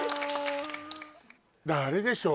あれでしょう